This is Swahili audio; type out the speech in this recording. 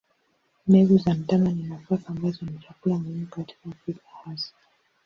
Mbegu za mtama ni nafaka ambazo ni chakula muhimu katika Afrika hasa.